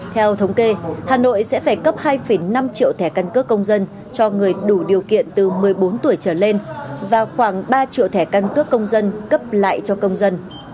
theo thống kê hà nội sẽ phải cấp hai năm triệu thẻ căn cước công dân cho người đủ điều kiện từ một mươi bốn tuổi trở lên và khoảng ba triệu thẻ căn cước công dân cấp lại cho công dân